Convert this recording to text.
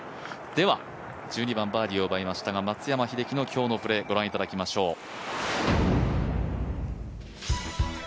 では、１２番バーディーを奪いましたが、松山選手の今日のプレー、御覧いただきましょう。